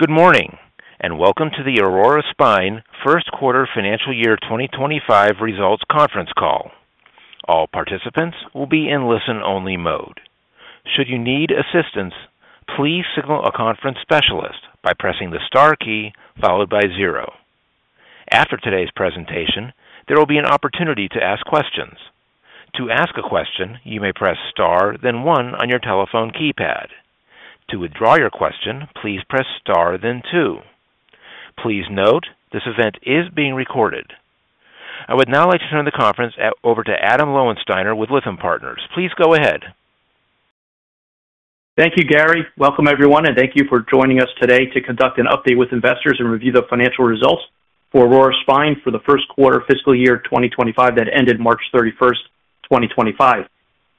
Good morning, and welcome to the Aurora Spine First Quarter Financial Year 2025 Results Conference Call. All participants will be in listen-only mode. Should you need assistance, please signal a conference specialist by pressing the star key followed by zero. After today's presentation, there will be an opportunity to ask questions. To ask a question, you may press star, then one on your telephone keypad. To withdraw your question, please press star, then two. Please note this event is being recorded. I would now like to turn the conference over to Adam Lowensteiner with Lytham Partners. Please go ahead. Thank you, Gary. Welcome, everyone, and thank you for joining us today to conduct an update with investors and review the financial results for Aurora Spine for the first quarter fiscal year 2025 that ended March 31, 2025.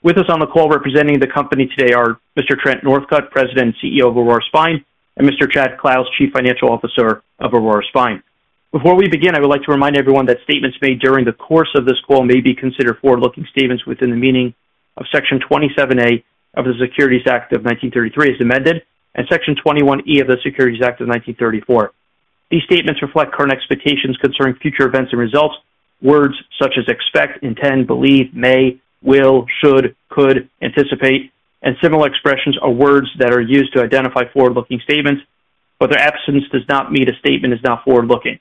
With us on the call representing the company today are Mr. Trent Northcutt, President and CEO of Aurora Spine, and Mr. Chad Clouse, Chief Financial Officer of Aurora Spine. Before we begin, I would like to remind everyone that statements made during the course of this call may be considered forward-looking statements within the meaning of Section 27A of the Securities Act of 1933, as amended, and Section 21E of the Securities Act of 1934. These statements reflect current expectations concerning future events and results. Words such as expect, intend, believe, may, will, should, could, anticipate, and similar expressions are words that are used to identify forward-looking statements, but their absence does not mean a statement is not forward-looking.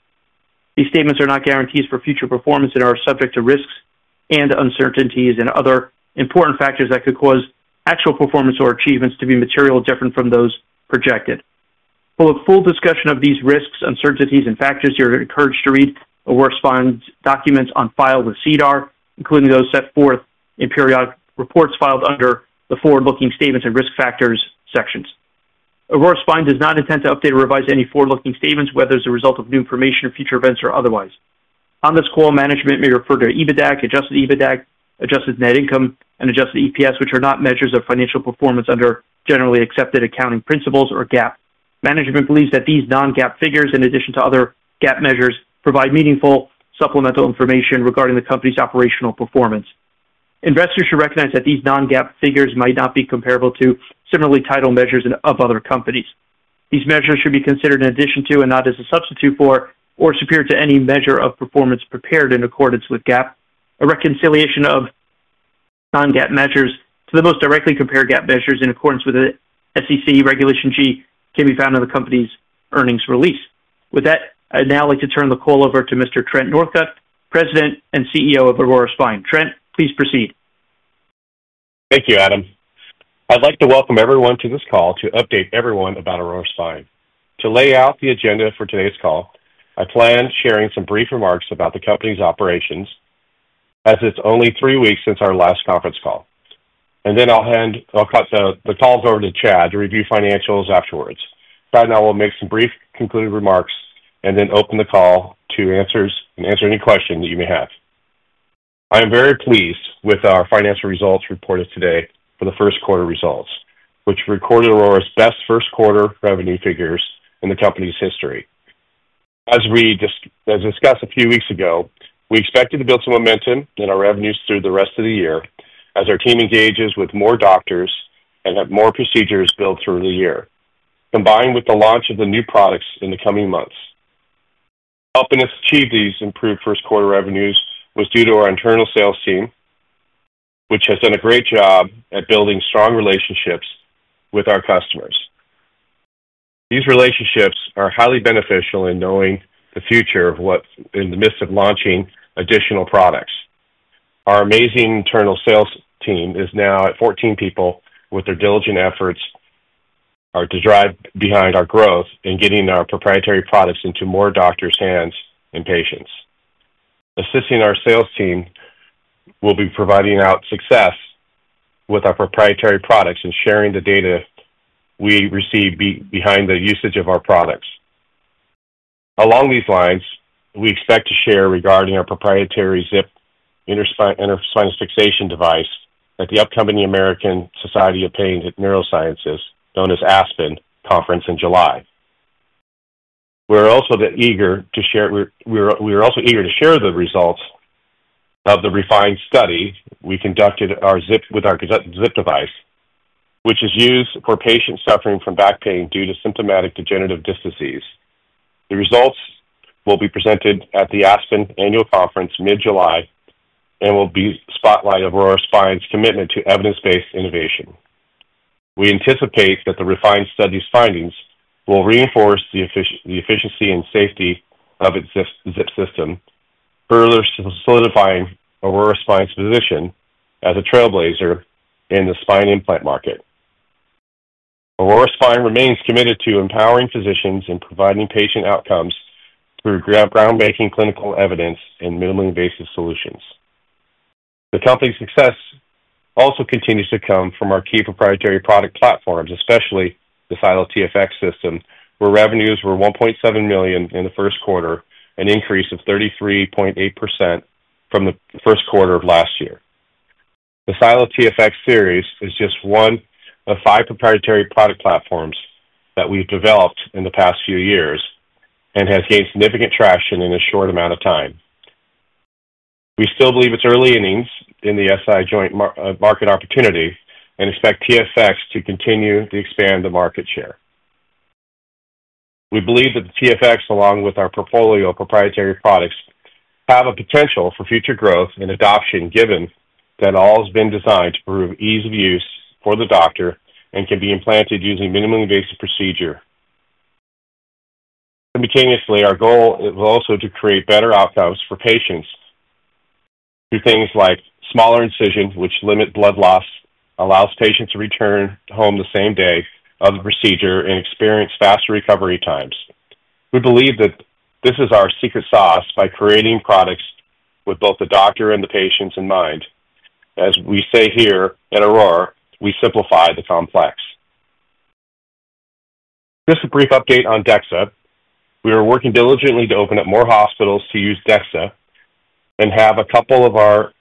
These statements are not guarantees for future performance and are subject to risks and uncertainties and other important factors that could cause actual performance or achievements to be materially different from those projected. For a full discussion of these risks, uncertainties, and factors, you're encouraged to read Aurora Spine's documents on file with SEDAR, including those set forth in periodic reports filed under the forward-looking statements and risk factors sections. Aurora Spine does not intend to update or revise any forward-looking statements, whether as a result of new information or future events or otherwise. On this call, management may refer to EBITDAC, adjusted EBITDAC, adjusted net income, and adjusted EPS, which are not measures of financial performance under generally accepted accounting principles or GAAP. Management believes that these non-GAAP figures, in addition to other GAAP measures, provide meaningful supplemental information regarding the company's operational performance. Investors should recognize that these non-GAAP figures might not be comparable to similarly titled measures of other companies. These measures should be considered in addition to and not as a substitute for or superior to any measure of performance prepared in accordance with GAAP. A reconciliation of non-GAAP measures to the most directly compared GAAP measures in accordance with SEC Regulation G can be found in the company's earnings release. With that, I'd now like to turn the call over to Mr. Trent Northcutt, President and CEO of Aurora Spine. Trent, please proceed. Thank you, Adam. I'd like to welcome everyone to this call to update everyone about Aurora Spine. To lay out the agenda for today's call, I plan on sharing some brief remarks about the company's operations as it's only three weeks since our last conference call. I will cut the call over to Chad to review financials afterwards. Chad and I will make some brief concluding remarks and then open the call to answer any questions that you may have. I am very pleased with our financial results reported today for the first quarter results, which recorded Aurora's best first quarter revenue figures in the company's history. As we discussed a few weeks ago, we expected to build some momentum in our revenues through the rest of the year as our team engages with more doctors and have more procedures built through the year, combined with the launch of the new products in the coming months. Helping us achieve these improved first quarter revenues was due to our internal sales team, which has done a great job at building strong relationships with our customers. These relationships are highly beneficial in knowing the future of what's in the midst of launching additional products. Our amazing internal sales team is now at 14 people, with their diligent efforts to drive behind our growth in getting our proprietary products into more doctors' hands and patients. Assisting our sales team will be providing out success with our proprietary products and sharing the data we receive behind the usage of our products. Along these lines, we expect to share regarding our proprietary ZIP interspinous fixation device at the upcoming American Society of Pain Neurosciences, known as ASPN, conference in July. We are also eager to share the results of the refined study we conducted with our ZIP device, which is used for patients suffering from back pain due to symptomatic degenerative disc disease. The results will be presented at the ASPN annual conference mid-July and will be spotlighted on Aurora Spine's commitment to evidence-based innovation. We anticipate that the refined study's findings will reinforce the efficiency and safety of its ZIP system, further solidifying Aurora Spine's position as a trailblazer in the spine implant market. Aurora Spine remains committed to empowering physicians in providing patient outcomes through groundbreaking clinical evidence and minimally invasive solutions. The company's success also continues to come from our key proprietary product platforms, especially the SiLO TFX system, where revenues were $1.7 million in the first quarter, an increase of 33.8% from the first quarter of last year. The SiLO TFX series is just one of five proprietary product platforms that we've developed in the past few years and has gained significant traction in a short amount of time. We still believe it's early innings in the SI joint market opportunity and expect TFX to continue to expand the market share. We believe that the TFX, along with our portfolio of proprietary products, have a potential for future growth and adoption given that all has been designed to prove ease of use for the doctor and can be implanted using minimally invasive procedure. Simultaneously, our goal is also to create better outcomes for patients through things like smaller incisions, which limit blood loss, allow patients to return home the same day of the procedure, and experience faster recovery times. We believe that this is our secret sauce by creating products with both the doctor and the patients in mind. As we say here at Aurora Spine, we simplify the complex. Just a brief update on DEXA. We are working diligently to open up more hospitals to use DEXA and have a couple of our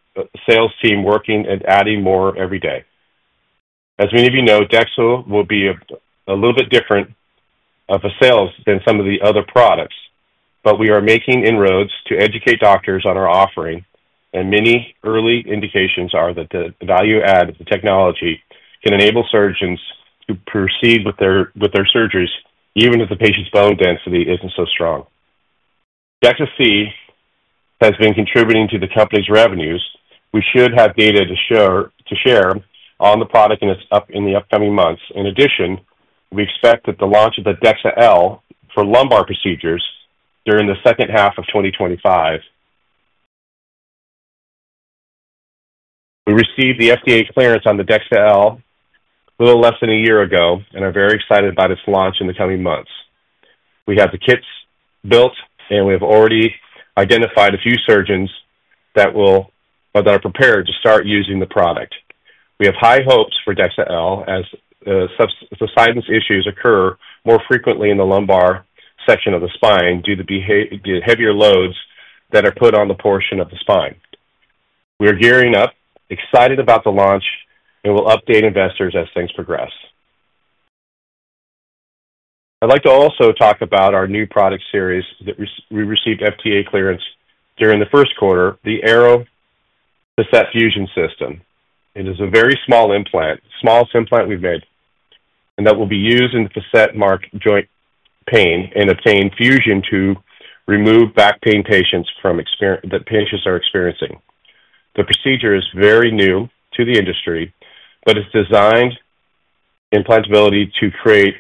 sales team working and adding more every day. As many of you know, DEXA will be a little bit different of a sales than some of the other products, but we are making inroads to educate doctors on our offering, and many early indications are that the value-added technology can enable surgeons to proceed with their surgeries even if the patient's bone density isn't so strong. DEXA-C has been contributing to the company's revenues. We should have data to share on the product in the upcoming months. In addition, we expect that the launch of the DEXA-L for lumbar procedures during the second half of 2025. We received the FDA clearance on the DEXA-L a little less than a year ago and are very excited by this launch in the coming months. We have the kits built, and we have already identified a few surgeons that are prepared to start using the product. We have high hopes for DEXA-L as the sinus issues occur more frequently in the lumbar section of the spine due to the heavier loads that are put on the portion of the spine. We are gearing up, excited about the launch, and will update investors as things progress. I'd like to also talk about our new product series that we received FDA clearance during the first quarter, the Aero Facet Fusion System. It is a very small implant, the smallest implant we've made, and that will be used in facet-marked joint pain and obtain fusion to remove back pain patients that patients are experiencing. The procedure is very new to the industry, but it's designed for implantability to create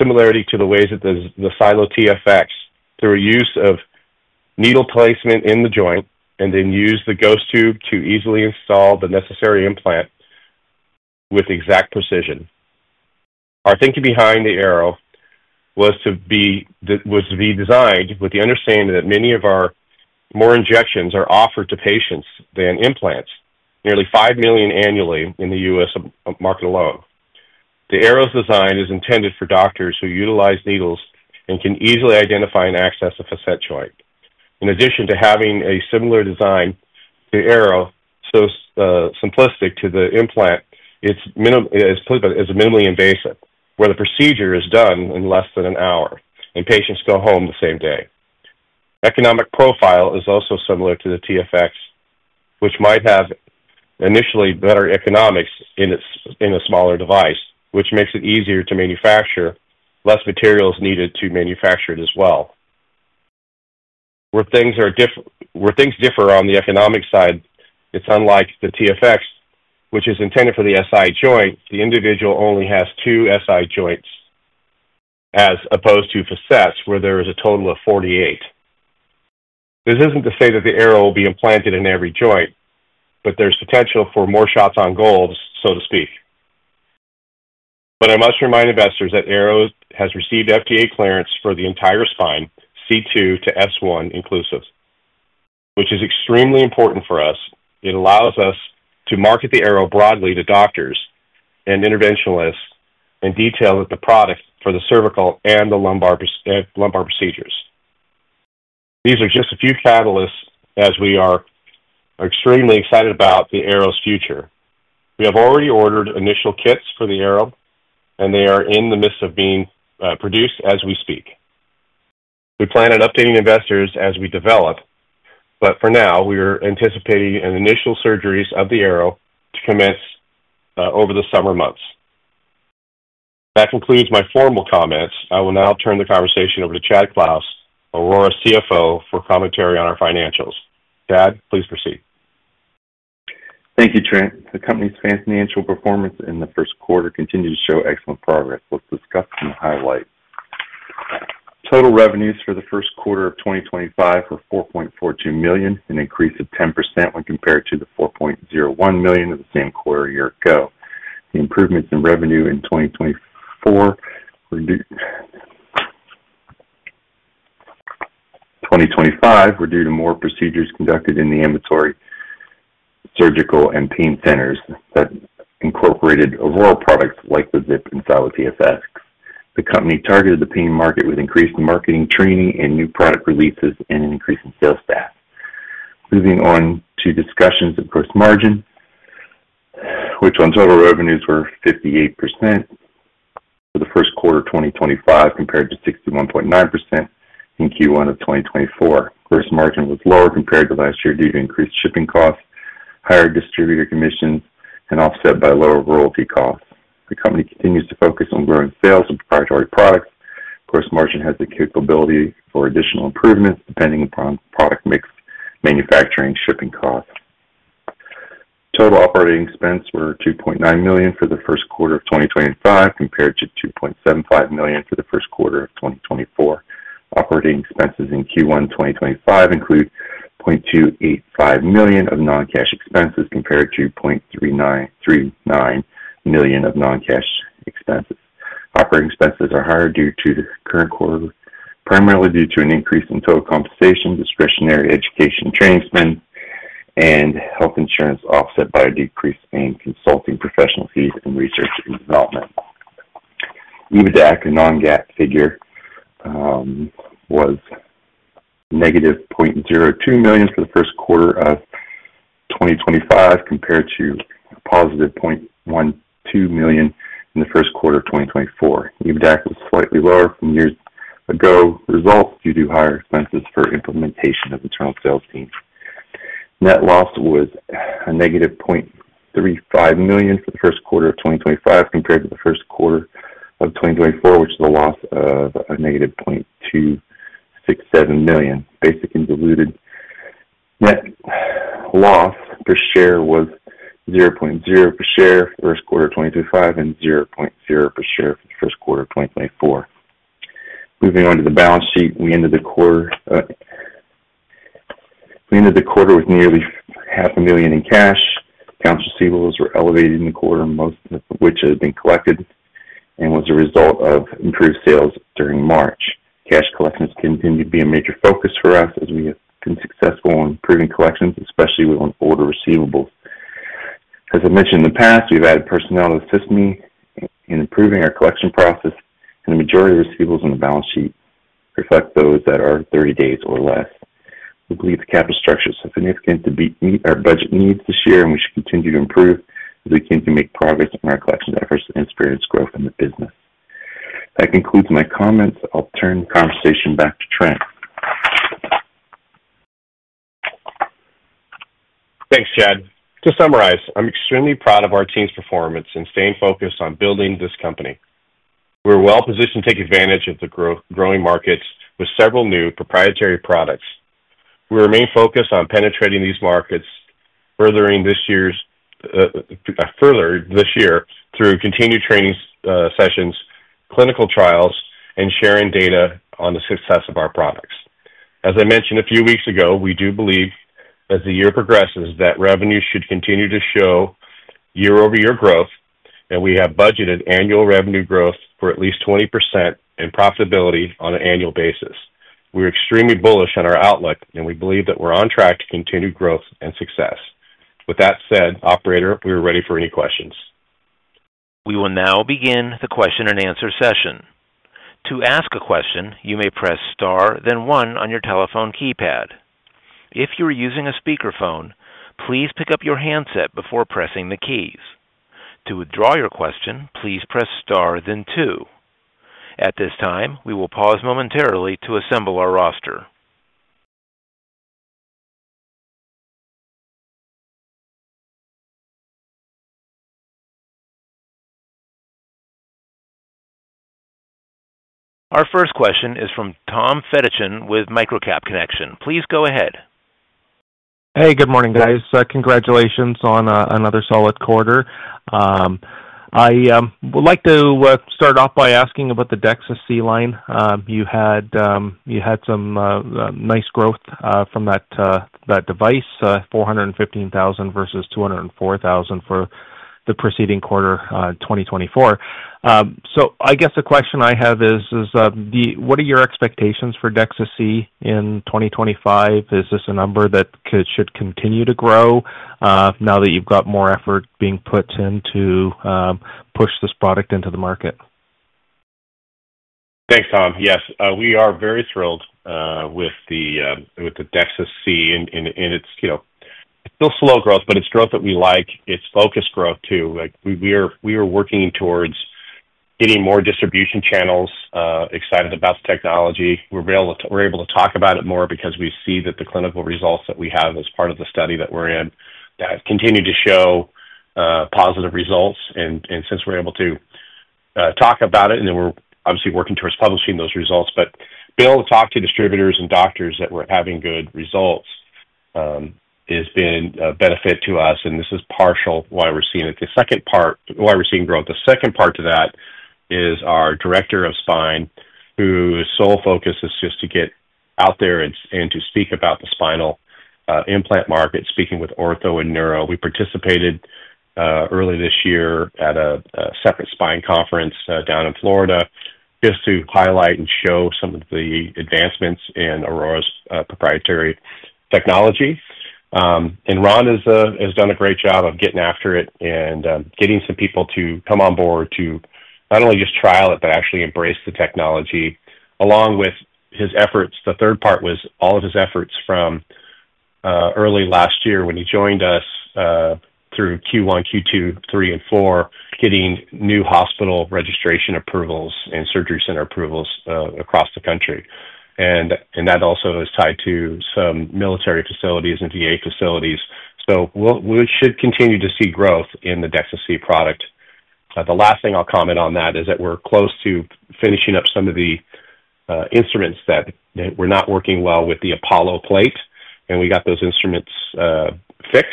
similarity to the ways that the SiLO TFX, through use of needle placement in the joint and then use the ghost tube to easily install the necessary implant with exact precision. Our thinking behind the Aero was to be designed with the understanding that many more injections are offered to patients than implants, nearly 5 million annually in the U.S. market alone. The Aero's design is intended for doctors who utilize needles and can easily identify and access the facet joint. In addition to having a similar design to Aero, so simplistic to the implant, it's minimally invasive, where the procedure is done in less than an hour, and patients go home the same day. Economic profile is also similar to the TFX, which might have initially better economics in a smaller device, which makes it easier to manufacture, less materials needed to manufacture it as well. Where things differ on the economic side, it's unlike the TFX, which is intended for the SI joint. The individual only has two SI joints as opposed to facets, where there is a total of 48. This isn't to say that the Aero will be implanted in every joint, but there's potential for more shots on goals, so to speak. I must remind investors that Aero has received FDA clearance for the entire spine, C2 to S1 inclusive, which is extremely important for us. It allows us to market the Aero broadly to doctors and interventionalists and detail the product for the cervical and the lumbar procedures. These are just a few catalysts as we are extremely excited about the Aero's future. We have already ordered initial kits for the Aero, and they are in the midst of being produced as we speak. We plan on updating investors as we develop, but for now, we are anticipating initial surgeries of the Aero to commence over the summer months. That concludes my formal comments. I will now turn the conversation over to Chad Clouse, Aurora CFO, for commentary on our financials. Chad, please proceed. Thank you, Trent. The company's financial performance in the first quarter continued to show excellent progress. Let's discuss some highlights. Total revenues for the first quarter of 2025 were $4.42 million, an increase of 10% when compared to the $4.01 million of the same quarter a year ago. The improvements in revenue in 2025 were due to more procedures conducted in the ambulatory surgical and pain centers that incorporated Aurora products like the ZIP and SiLO TFX. The company targeted the pain market with increased marketing training and new product releases and an increase in sales staff. Moving on to discussions of gross margin, which on total revenues were 58% for the first quarter of 2025 compared to 61.9% in Q1 of 2024. Gross margin was lower compared to last year due to increased shipping costs, higher distributor commissions, and offset by lower royalty costs. The company continues to focus on growing sales of proprietary products. Gross margin has the capability for additional improvements depending upon product mix, manufacturing, and shipping costs. Total operating expenses were $2.9 million for the first quarter of 2025 compared to $2.75 million for the first quarter of 2024. Operating expenses in Q1 2025 include $0.285 million of non-cash expenses compared to $0.39 million of non-cash expenses. Operating expenses are higher primarily due to an increase in total compensation, discretionary education and training spend, and health insurance offset by a decrease in consulting professional fees and research and development. EBITDA at the non-GAAP figure was negative $0.02 million for the first quarter of 2025 compared to a positive $0.12 million in the first quarter of 2024. EBITDA was slightly lower from years ago, resulting in higher expenses for implementation of internal sales teams. Net loss was -$0.35 million for the first quarter of 2025 compared to the first quarter of 2024, which is a loss of -$0.267 million. Basic and diluted net loss per share was $0.0 per share for the first quarter of 2025 and $0.0 per share for the first quarter of 2024. Moving on to the balance sheet, we ended the quarter with nearly $500,000 in cash. Accounts receivables were elevated in the quarter, most of which had been collected and was a result of improved sales during March. Cash collections continue to be a major focus for us as we have been successful in improving collections, especially with order receivables. As I mentioned in the past, we've added personnel to assist me in improving our collection process, and the majority of receivables on the balance sheet reflect those that are 30 days or less. We believe the capital structure is significant to meet our budget needs this year, and we should continue to improve as we continue to make progress in our collection efforts and experience growth in the business. That concludes my comments. I'll turn the conversation back to Trent. Thanks, Chad. To summarize, I'm extremely proud of our team's performance in staying focused on building this company. We're well positioned to take advantage of the growing markets with several new proprietary products. We remain focused on penetrating these markets further this year through continued training sessions, clinical trials, and sharing data on the success of our products. As I mentioned a few weeks ago, we do believe as the year progresses that revenue should continue to show year-over-year growth, and we have budgeted annual revenue growth for at least 20% and profitability on an annual basis. We're extremely bullish on our outlook, and we believe that we're on track to continue growth and success. With that said, operator, we are ready for any questions. We will now begin the question and answer session. To ask a question, you may press star, then one on your telephone keypad. If you are using a speakerphone, please pick up your handset before pressing the keys. To withdraw your question, please press star, then two. At this time, we will pause momentarily to assemble our roster. Our first question is from Tom Fedichin with MicroCap Connection. Please go ahead. Hey, good morning, guys. Congratulations on another solid quarter. I would like to start off by asking about the DEXA-C line. You had some nice growth from that device, $415,000 versus $204,000 for the preceding quarter 2024. I guess the question I have is, what are your expectations for DEXA-C in 2025? Is this a number that should continue to grow now that you've got more effort being put in to push this product into the market? Thanks, Tom. Yes, we are very thrilled with the DEXA-C, and it's still slow growth, but it's growth that we like. It's focused growth, too. We are working towards getting more distribution channels, excited about the technology. We're able to talk about it more because we see that the clinical results that we have as part of the study that we're in have continued to show positive results. Since we're able to talk about it, and then we're obviously working towards publishing those results, but being able to talk to distributors and doctors that we're having good results has been a benefit to us, and this is partial why we're seeing it. The second part, why we're seeing growth, the second part to that is our Director of Spine, whose sole focus is just to get out there and to speak about the spinal implant market, speaking with Ortho and Neuro. We participated early this year at a separate spine conference down in Florida just to highlight and show some of the advancements in Aurora's proprietary technology. Ron has done a great job of getting after it and getting some people to come on board to not only just trial it, but actually embrace the technology along with his efforts. The third part was all of his efforts from early last year when he joined us through Q1, Q2, 3, and 4, getting new hospital registration approvals and surgery center approvals across the country. That also is tied to some military facilities and VA facilities. We should continue to see growth in the DEXA-C product. The last thing I'll comment on is that we're close to finishing up some of the instruments that were not working well with the Apollo plate, and we got those instruments fixed,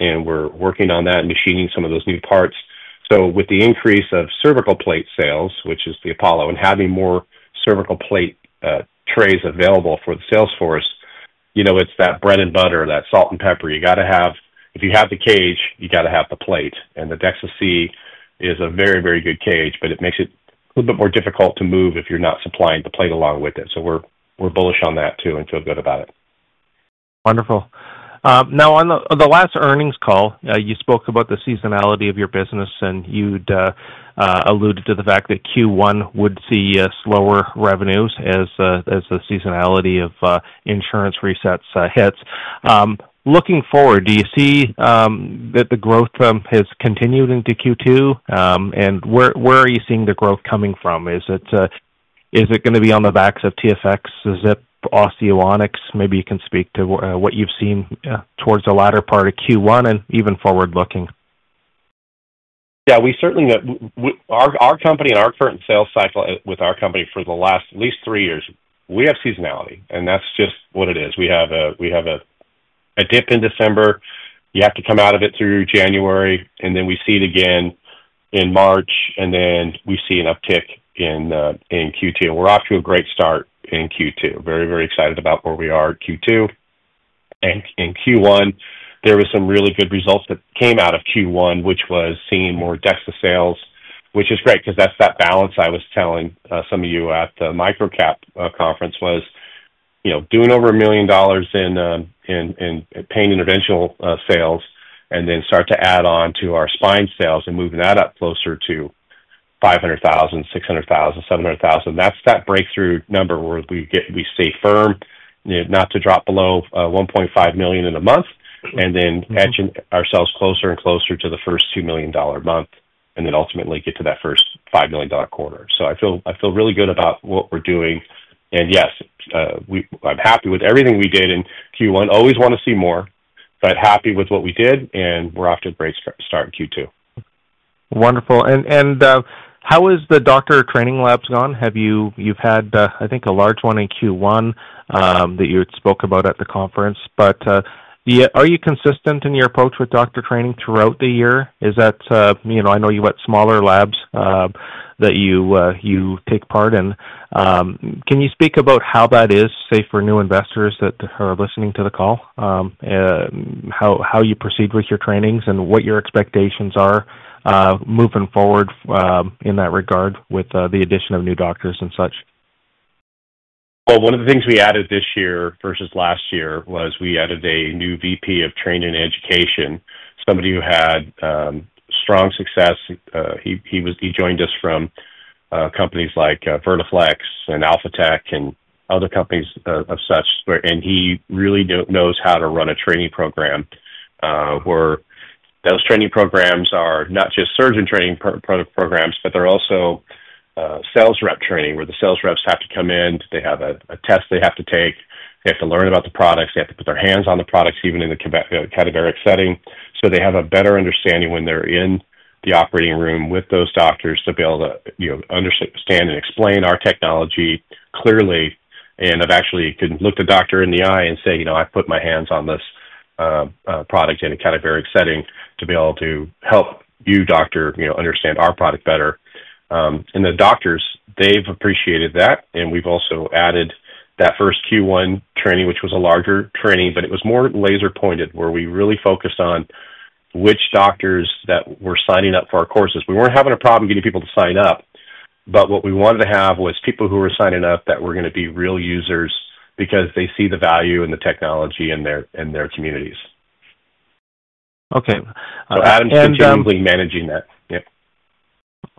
and we're working on that and machining some of those new parts. With the increase of cervical plate sales, which is the Apollo, and having more cervical plate trays available for the Salesforce, it's that bread and butter, that salt and pepper. You got to have—if you have the cage, you got to have the plate. The DEXA-C is a very, very good cage, but it makes it a little bit more difficult to move if you're not supplying the plate along with it. We're bullish on that, too, and feel good about it. Wonderful. Now, on the last earnings call, you spoke about the seasonality of your business, and you'd alluded to the fact that Q1 would see slower revenues as the seasonality of insurance resets hits. Looking forward, do you see that the growth has continued into Q2? Where are you seeing the growth coming from? Is it going to be on the backs of TFX, ZIP, Osseonics? Maybe you can speak to what you've seen towards the latter part of Q1 and even forward-looking. Yeah, we certainly—our company and our current sales cycle with our company for the last at least three years, we have seasonality, and that's just what it is. We have a dip in December. You have to come out of it through January, and then we see it again in March, and then we see an uptick in Q2. We're off to a great start in Q2. Very, very excited about where we are Q2. In Q1, there were some really good results that came out of Q1, which was seeing more DEXA sales, which is great because that's that balance I was telling some of you at the Microcap conference was doing over $1 million in pain interventional sales and then start to add on to our spine sales and moving that up closer to $500,000-$600,000-$700,000. That's that breakthrough number where we stay firm, not to drop below $1.5 million in a month, and then edge ourselves closer and closer to the first $2 million month, and then ultimately get to that first $5 million quarter. I feel really good about what we're doing. Yes, I'm happy with everything we did in Q1. Always want to see more, but happy with what we did, and we're off to a great start in Q2. Wonderful. How has the doctor training labs gone? You have had, I think, a large one in Q1 that you had spoke about at the conference. Are you consistent in your approach with doctor training throughout the year? I know you have got smaller labs that you take part in. Can you speak about how that is, say, for new investors that are listening to the call, how you proceed with your trainings and what your expectations are moving forward in that regard with the addition of new doctors and such? One of the things we added this year versus last year was we added a new VP of Training and Education, somebody who had strong success. He joined us from companies like Vertiflex and AlphaTech and other companies of such, and he really knows how to run a training program where those training programs are not just surgeon training programs, but they're also sales rep training where the sales reps have to come in. They have a test they have to take. They have to learn about the products. They have to put their hands on the products, even in the categoric setting. They have a better understanding when they're in the operating room with those doctors to be able to understand and explain our technology clearly. I actually couldn't look the doctor in the eye and say, "I put my hands on this product in a cadaveric setting to be able to help you, doctor, understand our product better." The doctors, they've appreciated that. We've also added that first Q1 training, which was a larger training, but it was more laser-pointed where we really focused on which doctors were signing up for our courses. We weren't having a problem getting people to sign up, but what we wanted to have was people who were signing up that were going to be real users because they see the value and the technology in their communities. Okay. And. Adam continually managing that. Yep.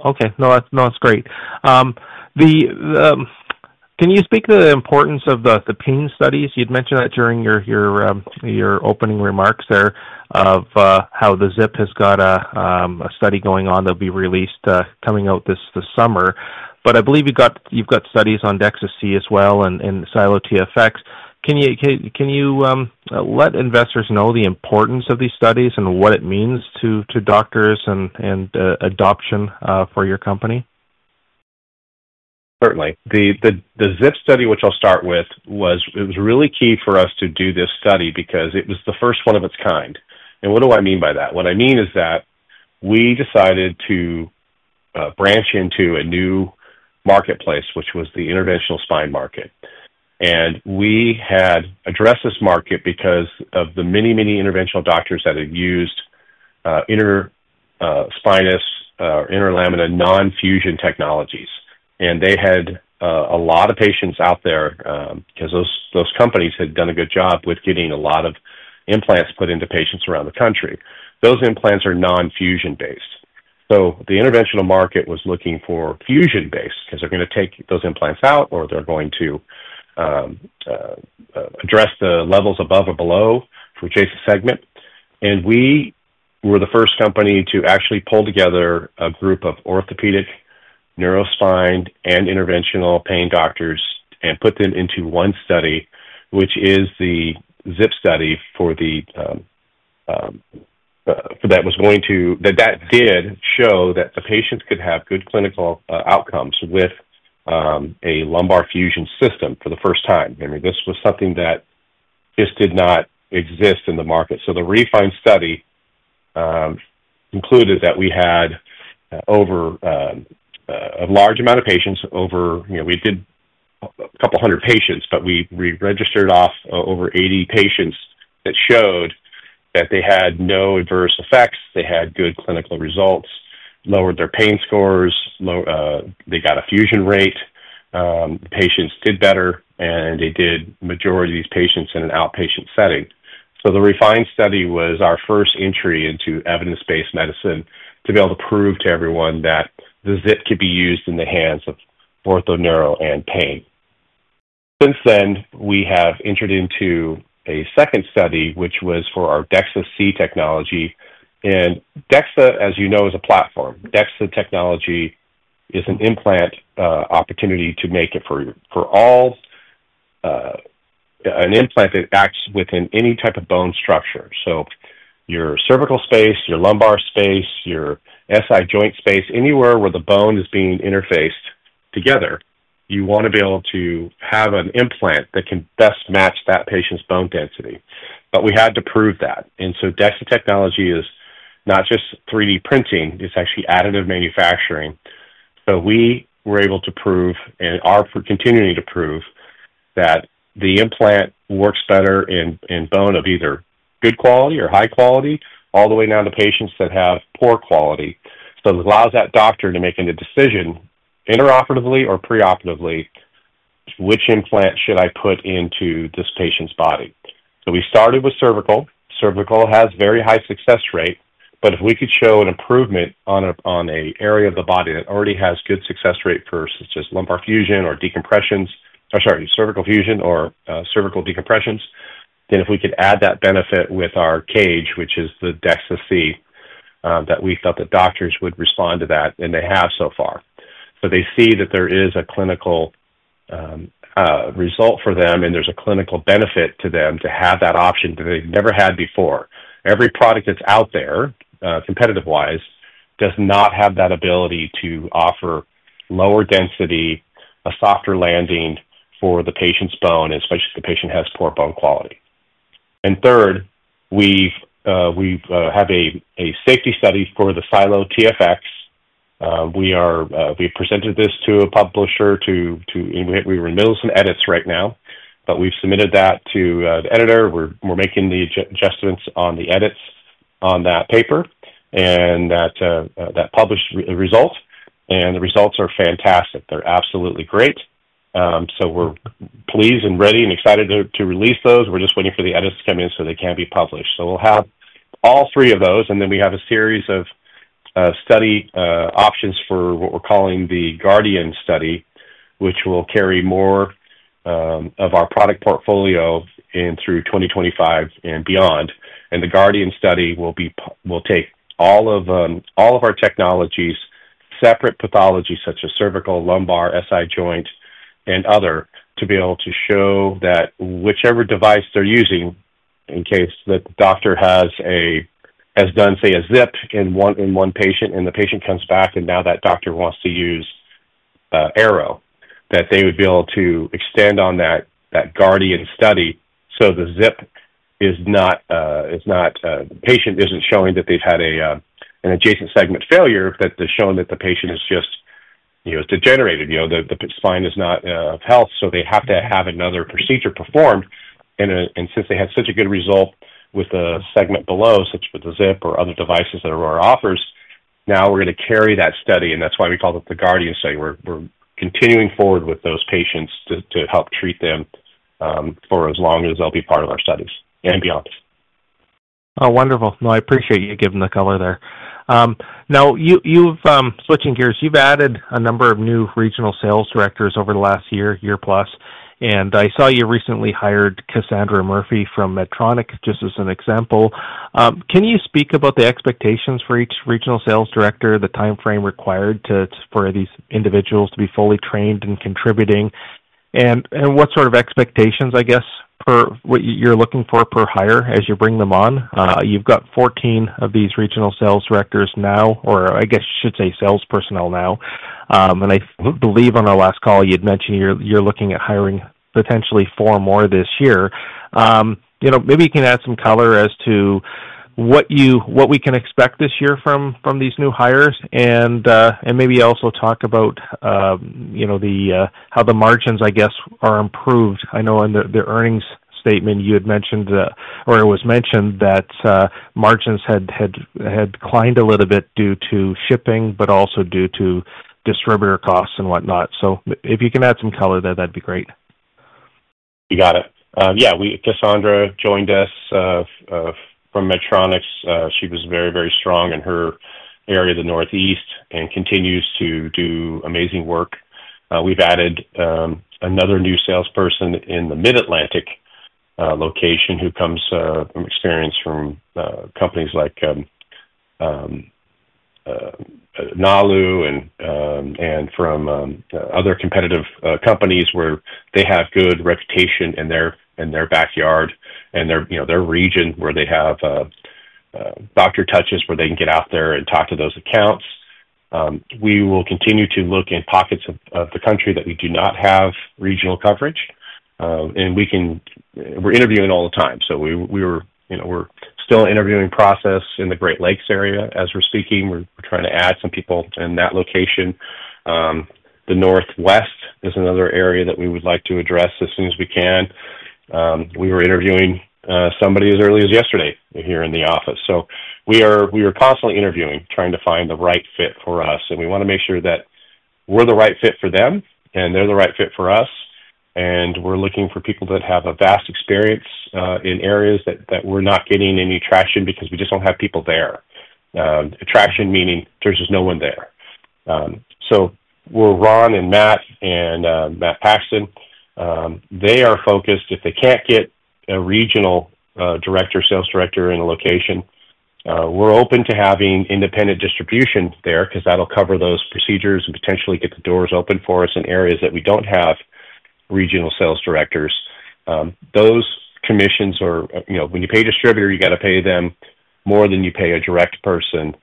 Okay. No, that's great. Can you speak to the importance of the pain studies? You'd mentioned that during your opening remarks there of how the ZIP has got a study going on that'll be released coming out this summer. I believe you've got studies on DEXA-C as well and SiLO TFX. Can you let investors know the importance of these studies and what it means to doctors and adoption for your company? Certainly. The ZIP study, which I'll start with, was really key for us to do this study because it was the first one of its kind. What do I mean by that? What I mean is that we decided to branch into a new marketplace, which was the interventional spine market. We had addressed this market because of the many, many interventional doctors that had used interspinous or interlaminar non-fusion technologies. They had a lot of patients out there because those companies had done a good job with getting a lot of implants put into patients around the country. Those implants are non-fusion based. The interventional market was looking for fusion base because they're going to take those implants out or they're going to address the levels above or below for adjacent segment. We were the first company to actually pull together a group of orthopedic, neurospine, and interventional pain doctors and put them into one study, which is the ZIP study that did show that the patients could have good clinical outcomes with a lumbar fusion system for the first time. I mean, this was something that just did not exist in the market. The refined study included that we had over a large amount of patients. We did a couple hundred patients, but we registered off over 80 patients that showed that they had no adverse effects. They had good clinical results, lowered their pain scores. They got a fusion rate. Patients did better, and they did majority of these patients in an outpatient setting. The refined study was our first entry into evidence-based medicine to be able to prove to everyone that the ZIP could be used in the hands of Ortho Neuro and pain. Since then, we have entered into a second study, which was for our DEXA-C technology. DEXA, as you know, is a platform. DEXA technology is an implant opportunity to make it for all an implant that acts within any type of bone structure. Your cervical space, your lumbar space, your SI joint space, anywhere where the bone is being interfaced together, you want to be able to have an implant that can best match that patient's bone density. We had to prove that. DEXA technology is not just 3D printing. It is actually additive manufacturing. We were able to prove and are continuing to prove that the implant works better in bone of either good quality or high quality all the way down to patients that have poor quality. It allows that doctor to make a decision intraoperatively or preoperatively which implant should I put into this patient's body. We started with cervical. Cervical has very high success rate, but if we could show an improvement on an area of the body that already has good success rate for such as lumbar fusion or decompressions or, sorry, cervical fusion or cervical decompressions, then if we could add that benefit with our cage, which is the DEXA-C, we felt that doctors would respond to that, and they have so far. They see that there is a clinical result for them, and there is a clinical benefit to them to have that option that they have never had before. Every product that is out there, competitive-wise, does not have that ability to offer lower density, a softer landing for the patient's bone, especially if the patient has poor bone quality. Third, we have a safety study for the SiLO TFX. We presented this to a publisher to—we are in the middle of some edits right now, but we have submitted that to the editor. We are making the adjustments on the edits on that paper and that published result. The results are fantastic. They are absolutely great. We are pleased and ready and excited to release those. We are just waiting for the edits to come in so they can be published. We will have all three of those. We have a series of study options for what we're calling the Guardian study, which will carry more of our product portfolio through 2025 and beyond. The Guardian study will take all of our technologies, separate pathologies such as cervical, lumbar, SI joint, and other to be able to show that whichever device they're using, in case that the doctor has done, say, a ZIP in one patient, and the patient comes back, and now that doctor wants to use Aero, that they would be able to extend on that Guardian study so the ZIP is not—the patient isn't showing that they've had an adjacent segment failure, but they're showing that the patient is just degenerated. The spine is not of health, so they have to have another procedure performed. Since they had such a good result with the segment below, such with the ZIP or other devices that Aurora offers, now we're going to carry that study. That's why we call it the Guardian study. We're continuing forward with those patients to help treat them for as long as they'll be part of our studies and beyond. Oh, wonderful. No, I appreciate you giving the color there. Now, switching gears, you've added a number of new regional sales directors over the last year, year plus. And I saw you recently hired Cassandra Murphy from Medtronic just as an example. Can you speak about the expectations for each regional sales director, the timeframe required for these individuals to be fully trained and contributing? And what sort of expectations, I guess, you're looking for per hire as you bring them on? You've got 14 of these regional sales directors now, or I guess you should say sales personnel now. And I believe on our last call, you'd mentioned you're looking at hiring potentially four more this year. Maybe you can add some color as to what we can expect this year from these new hires. And maybe also talk about how the margins, I guess, are improved. I know in the earnings statement, you had mentioned or it was mentioned that margins had climbed a little bit due to shipping, but also due to distributor costs and whatnot. If you can add some color there, that'd be great. You got it. Yeah. Cassandra joined us from Medtronic. She was very, very strong in her area of the Northeast and continues to do amazing work. We've added another new salesperson in the Mid-Atlantic location who comes from experience from companies like Nalu and from other competitive companies where they have good reputation in their backyard and their region where they have doctor touches where they can get out there and talk to those accounts. We will continue to look in pockets of the country that we do not have regional coverage. We're interviewing all the time. We're still interviewing process in the Great Lakes area as we're speaking. We're trying to add some people in that location. The Northwest is another area that we would like to address as soon as we can. We were interviewing somebody as early as yesterday here in the office. We are constantly interviewing, trying to find the right fit for us. We want to make sure that we're the right fit for them and they're the right fit for us. We're looking for people that have a vast experience in areas that we're not getting any traction because we just don't have people there. Traction meaning there's just no one there. Ron and Matt and Matt Paxton, they are focused. If they can't get a regional director, sales director in a location, we're open to having independent distribution there because that'll cover those procedures and potentially get the doors open for us in areas that we don't have regional sales directors. Those commissions are when you pay a distributor, you got to pay them more than you pay a direct person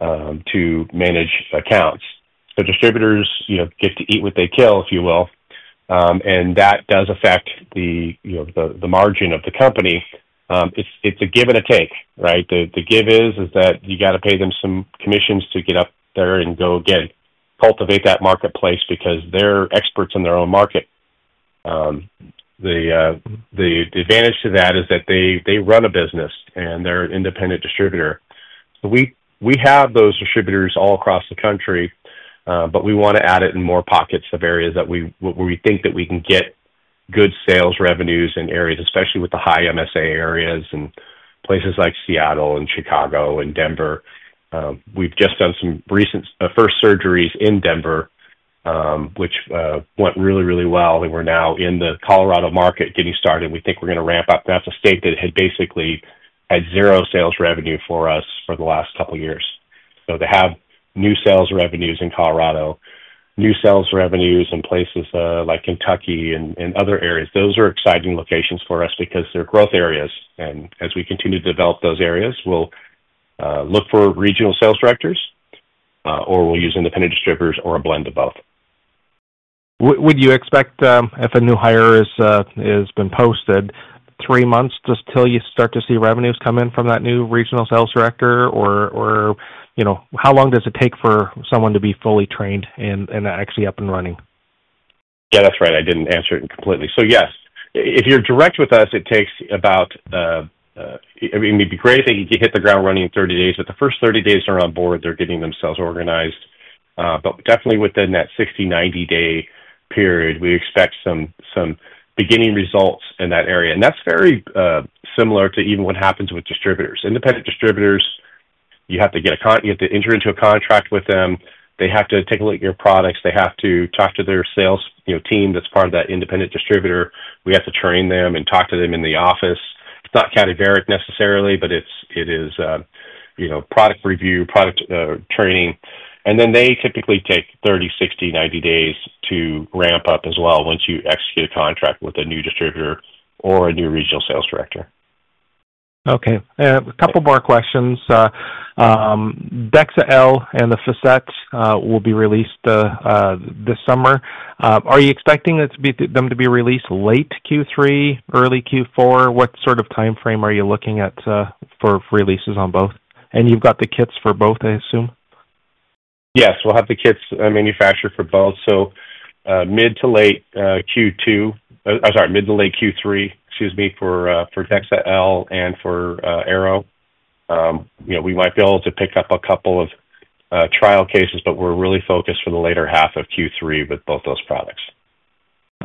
to manage accounts. Distributors get to eat what they kill, if you will. That does affect the margin of the company. It's a give and a take, right? The give is that you got to pay them some commissions to get up there and go again, cultivate that marketplace because they're experts in their own market. The advantage to that is that they run a business and they're an independent distributor. We have those distributors all across the country, but we want to add it in more pockets of areas where we think that we can get good sales revenues in areas, especially with the high MSA areas and places like Seattle and Chicago and Denver. We've just done some recent first surgeries in Denver, which went really, really well. We're now in the Colorado market getting started. We think we're going to ramp up. That's a state that had basically had zero sales revenue for us for the last couple of years. To have new sales revenues in Colorado, new sales revenues in places like Kentucky and other areas, those are exciting locations for us because they're growth areas. As we continue to develop those areas, we'll look for regional sales directors or we'll use independent distributors or a blend of both. Would you expect if a new hire has been posted, three months just till you start to see revenues come in from that new regional sales director? Or how long does it take for someone to be fully trained and actually up and running? Yeah, that's right. I didn't answer it completely. Yes, if you're direct with us, it takes about, it would be great if you hit the ground running in 30 days. The first 30 days they're on board, they're getting themselves organized. Definitely within that 60-90 day period, we expect some beginning results in that area. That's very similar to even what happens with distributors. Independent distributors, you have to enter into a contract with them. They have to take a look at your products. They have to talk to their sales team that's part of that independent distributor. We have to train them and talk to them in the office. It's not cadaveric necessarily, but it is product review, product training. They typically take 30, 60, 90 days to ramp up as well once you execute a contract with a new distributor or a new regional sales director. Okay. A couple more questions. DEXA-L and the facets will be released this summer. Are you expecting them to be released late Q3, early Q4? What sort of timeframe are you looking at for releases on both? You've got the kits for both, I assume? Yes. We'll have the kits manufactured for both. Mid to late Q3, excuse me, for DEXA-L and for Aero. We might be able to pick up a couple of trial cases, but we're really focused for the later half of Q3 with both those products.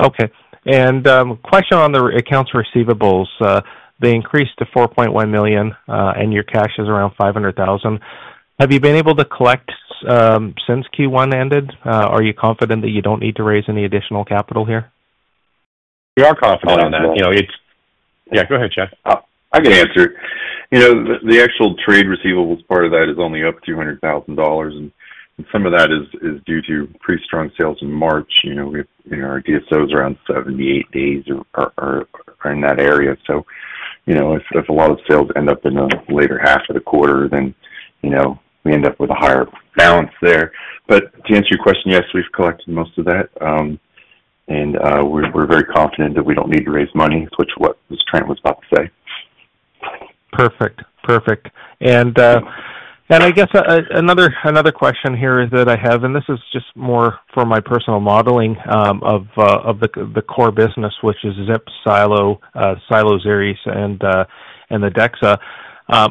Okay. Question on the accounts receivables. They increased to $4.1 million, and your cash is around $500,000. Have you been able to collect since Q1 ended? Are you confident that you don't need to raise any additional capital here? We are confident on that. Yeah, go ahead, Chad. I can answer. The actual trade receivables part of that is only up $200,000. Some of that is due to pretty strong sales in March. Our DSO is around 78 days or in that area. If a lot of sales end up in the later half of the quarter, we end up with a higher balance there. To answer your question, yes, we've collected most of that. We're very confident that we don't need to raise money, which was what Trent was about to say. Perfect. Perfect. I guess another question here is that I have, and this is just more for my personal modeling of the core business, which is ZIP, SiLO, SiLO TFX, and the DEXA.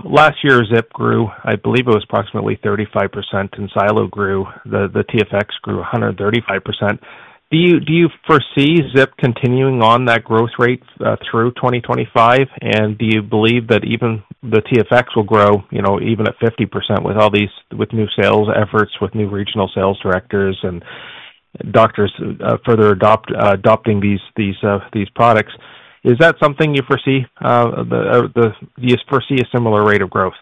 Last year, ZIP grew, I believe it was approximately 35%, and SiLO grew. The TFX grew 135%. Do you foresee ZIP continuing on that growth rate through 2025? Do you believe that even the TFX will grow even at 50% with new sales efforts, with new regional sales directors and doctors further adopting these products? Is that something you foresee? Do you foresee a similar rate of growth?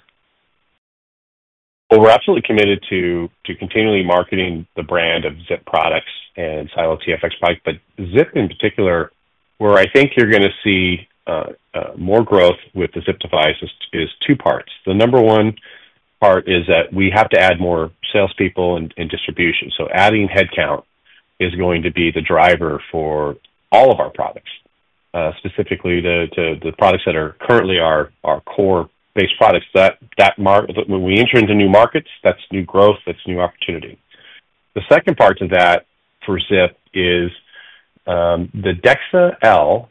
We are absolutely committed to continually marketing the brand of ZIP products and SiLO TFX products. ZIP in particular, where I think you are going to see more growth with the ZIP device, is two parts. The number one part is that we have to add more salespeople and distribution. Adding headcount is going to be the driver for all of our products, specifically the products that currently are our core-based products. When we enter into new markets, that is new growth, that is new opportunity. The second part to that for ZIP is the DEXA-L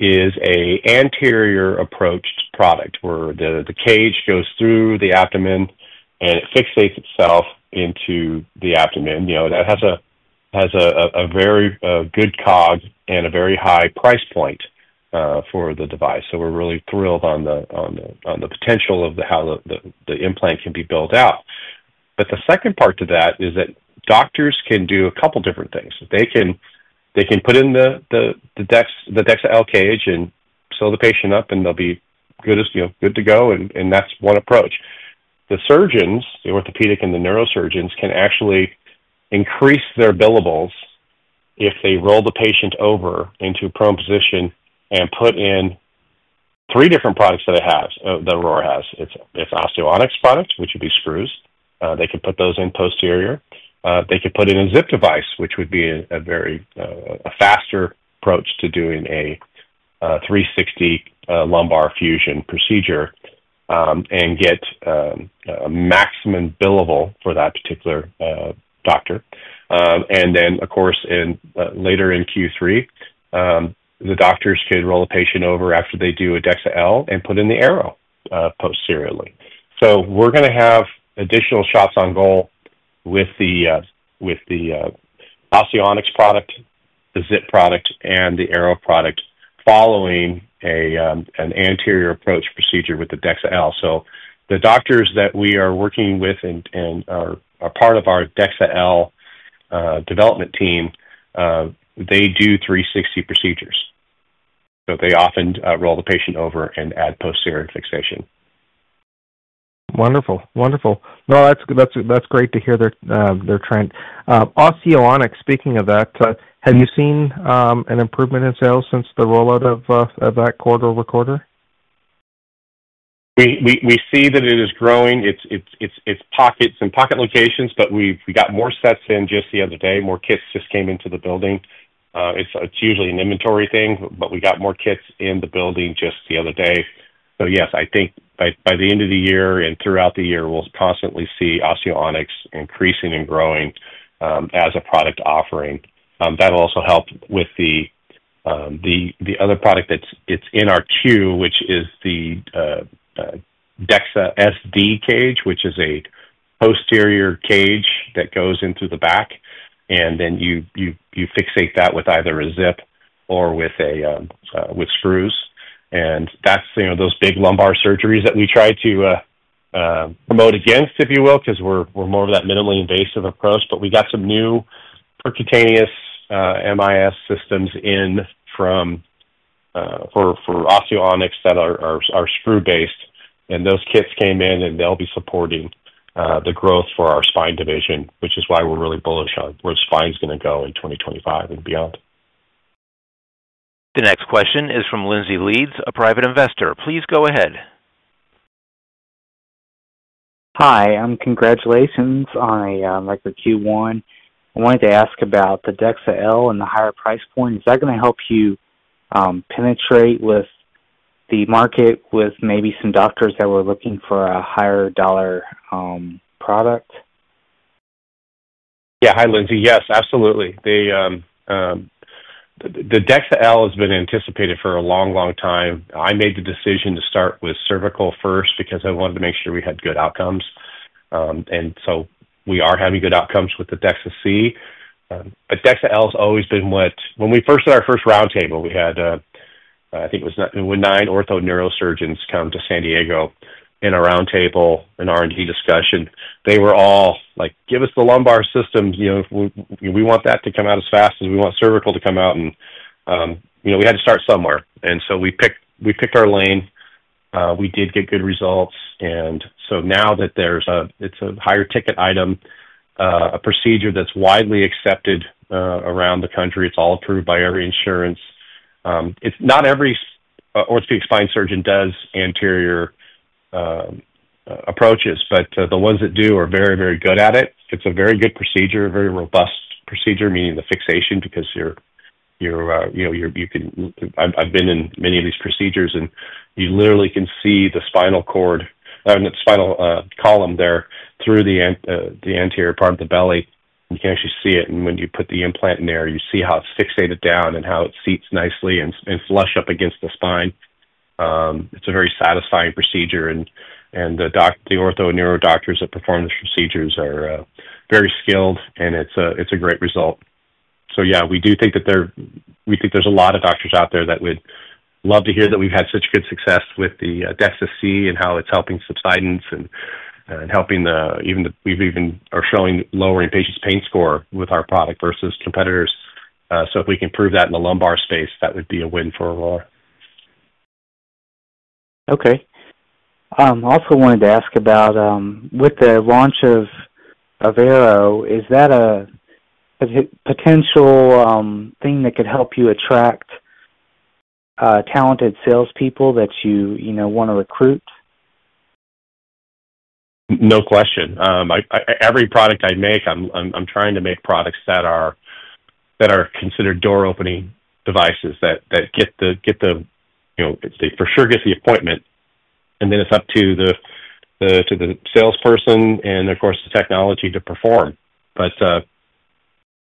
is an anterior-approached product where the cage goes through the abdomen and it fixates itself into the abdomen. That has a very good COG and a very high price point for the device. We are really thrilled on the potential of how the implant can be built out. The second part to that is that doctors can do a couple of different things. They can put in the DEXA-L cage and sew the patient up, and they'll be good to go. That's one approach. The surgeons, the orthopedic and the neurosurgeons, can actually increase their billables if they roll the patient over into a prone position and put in three different products that Aurora has. It's Osseonics products, which would be screws. They can put those in posterior. They can put in a ZIP device, which would be a faster approach to doing a 360 lumbar fusion procedure and get a maximum billable for that particular doctor. Of course, later in Q3, the doctors could roll the patient over after they do a DEXA-L and put in the Aero posteriorly. We're going to have additional shots on goal with the Osteonic product, the ZIP product, and the Aero product following an anterior-approached procedure with the DEXA-L. The doctors that we are working with and are part of our DEXA-L development team, they do 360 procedures. They often roll the patient over and add posterior fixation. Wonderful. Wonderful. No, that's great to hear they're trying. Osteo Onyx, speaking of that, have you seen an improvement in sales since the rollout of that quarter over quarter? We see that it is growing. It's pockets and pocket locations, but we got more sets in just the other day. More kits just came into the building. It's usually an inventory thing, but we got more kits in the building just the other day. Yes, I think by the end of the year and throughout the year, we'll constantly see osteotics increasing and growing as a product offering. That'll also help with the other product that's in our queue, which is the DEXA SD cage, which is a posterior cage that goes into the back. Then you fixate that with either a ZIP or with screws. Those are those big lumbar surgeries that we try to promote against, if you will, because we're more of that minimally invasive approach. We got some new percutaneous MIS systems in for osteotics that are screw-based. Those kits came in, and they'll be supporting the growth for our spine division, which is why we're really bullish on where spine is going to go in 2025 and beyond. The next question is from Lindsay Leeds, a private investor. Please go ahead. Hi. Congratulations on your Q1. I wanted to ask about the DEXA-L and the higher price point. Is that going to help you penetrate with the market with maybe some doctors that were looking for a higher dollar product? Yeah. Hi, Lindsay. Yes, absolutely. The DEXA-L has been anticipated for a long, long time. I made the decision to start with cervical first because I wanted to make sure we had good outcomes. We are having good outcomes with the DEXA-C. DEXA-L has always been what, when we first did our first roundtable, we had, I think it was nine ortho neurosurgeons come to San Diego in a roundtable, an R&D discussion. They were all like, "Give us the lumbar system. We want that to come out as fast as we want cervical to come out." We had to start somewhere. We picked our lane. We did get good results. Now that there's a higher ticket item, a procedure that's widely accepted around the country, it's all approved by every insurance. Not every orthopedic spine surgeon does anterior approaches, but the ones that do are very, very good at it. It's a very good procedure, a very robust procedure, meaning the fixation because you can, I've been in many of these procedures, and you literally can see the spinal cord, spinal column there through the anterior part of the belly. You can actually see it. When you put the implant in there, you see how it's fixated down and how it seats nicely and flush up against the spine. It's a very satisfying procedure. The ortho neuro doctors that perform these procedures are very skilled, and it's a great result. Yeah, we do think that there, we think there's a lot of doctors out there that would love to hear that we've had such good success with the DEXA-C and how it's helping subsidence and helping the, we've even are showing lowering patients' pain score with our product versus competitors. If we can prove that in the lumbar space, that would be a win for Aurora. Okay. I also wanted to ask about with the launch of Aero, is that a potential thing that could help you attract talented salespeople that you want to recruit? No question. Every product I make, I'm trying to make products that are considered door-opening devices that get the appointment. And then it's up to the salesperson and, of course, the technology to perform. But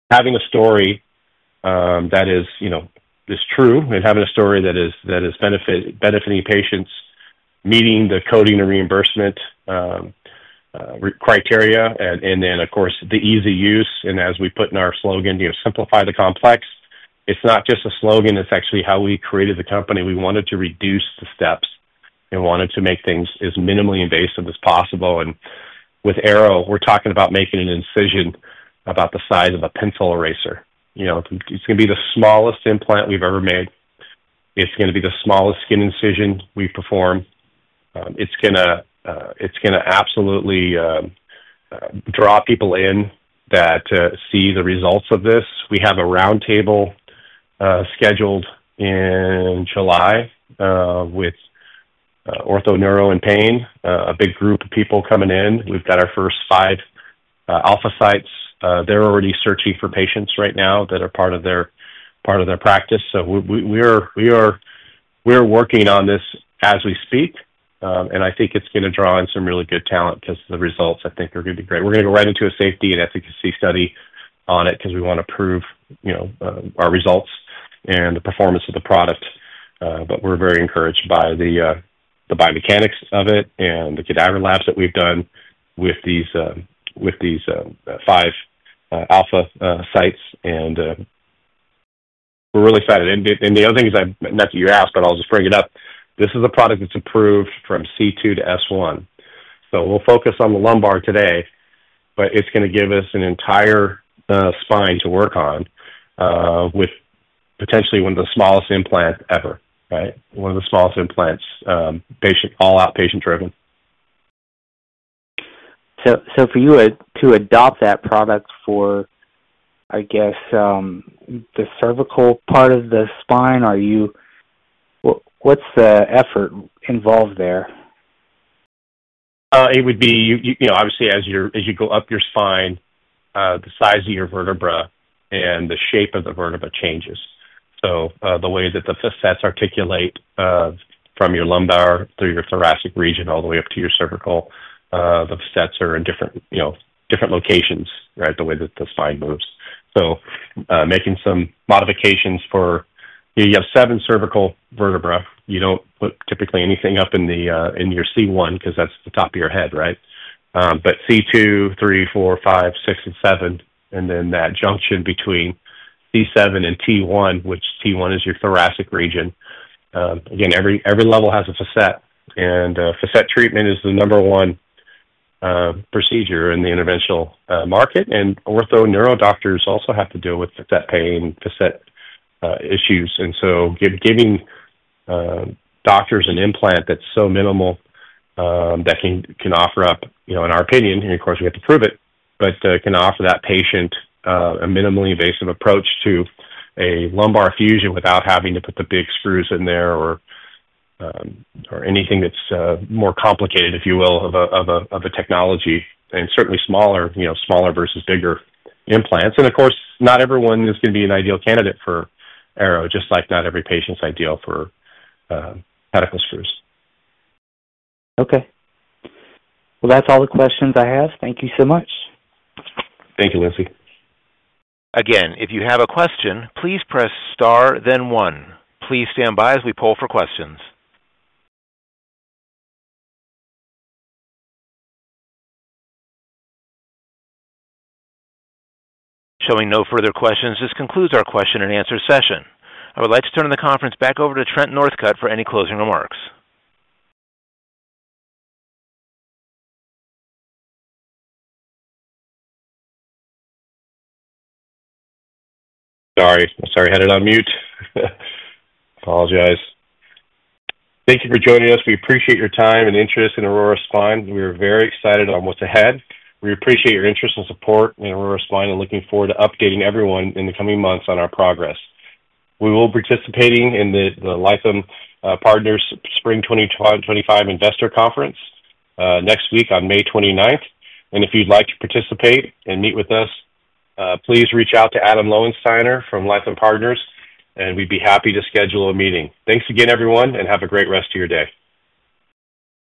having a story that is true and having a story that is benefiting patients, meeting the coding and reimbursement criteria, and then, of course, the easy use. As we put in our slogan, "Simplify the complex," it's not just a slogan. It's actually how we created the company. We wanted to reduce the steps and wanted to make things as minimally invasive as possible. With Aero, we're talking about making an incision about the size of a pencil eraser. It's going to be the smallest implant we've ever made. It's going to be the smallest skin incision we perform. It's going to absolutely draw people in that see the results of this. We have a roundtable scheduled in July with ortho, neuro, and pain, a big group of people coming in. We've got our first five alpha sites. They're already searching for patients right now that are part of their practice. We are working on this as we speak. I think it's going to draw in some really good talent because the results, I think, are going to be great. We're going to go right into a safety and efficacy study on it because we want to prove our results and the performance of the product. We are very encouraged by the biomechanics of it and the cadaver labs that we've done with these five alpha sites. We're really excited. The other thing is that you asked, but I'll just bring it up. This is a product that's improved from C2 to S1. We'll focus on the lumbar today, but it's going to give us an entire spine to work on with potentially one of the smallest implants ever, right? One of the smallest implants, all outpatient-driven. For you to adopt that product for, I guess, the cervical part of the spine, what's the effort involved there? It would be, obviously, as you go up your spine, the size of your vertebra and the shape of the vertebra changes. The way that the facets articulate from your lumbar through your thoracic region all the way up to your cervical, the facets are in different locations, right, the way that the spine moves. Making some modifications for you have seven cervical vertebra. You do not put typically anything up in your C1 because that is the top of your head, right? C2, 3, 4, 5, 6, and 7, and then that junction between C7 and T1, which T1 is your thoracic region. Again, every level has a facet. Facet treatment is the number one procedure in the interventional market. Ortho neuro doctors also have to deal with facet pain, facet issues. Giving doctors an implant that's so minimal that can offer up, in our opinion, and of course, we have to prove it, but can offer that patient a minimally invasive approach to a lumbar fusion without having to put the big screws in there or anything that's more complicated, if you will, of a technology and certainly smaller versus bigger implants. Of course, not everyone is going to be an ideal candidate for Aero, just like not every patient's ideal for pedicle screws. Okay. That's all the questions I have. Thank you so much. Thank you, Lindsay. Again, if you have a question, please press star, then one. Please stand by as we poll for questions. Showing no further questions, this concludes our question and answer session. I would like to turn the conference back over to Trent Northcutt for any closing remarks. Sorry. Sorry. I had it on mute. Apologize. Thank you for joining us. We appreciate your time and interest in Aurora Spine. We are very excited on what's ahead. We appreciate your interest and support in Aurora Spine and looking forward to updating everyone in the coming months on our progress. We will be participating in the Lytham Partners Spring 2025 Investor conference next week on May 29th. If you'd like to participate and meet with us, please reach out to Adam Lowensteiner from Lytham Partners, and we'd be happy to schedule a meeting. Thanks again, everyone, and have a great rest of your day.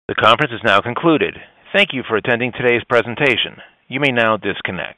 The conference is now concluded. Thank you for attending today's presentation. You may now disconnect.